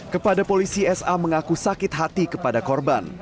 kepada polisi sa mengaku sakit hati kepada korban